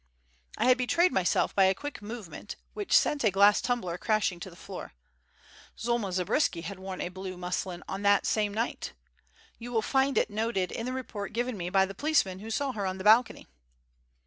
I had betrayed myself by a quick movement which sent a glass tumbler crashing to the floor. Zulma Zabriskie had worn a blue muslin on that same night. You will find it noted in the report given me by the policeman who saw her on their balcony.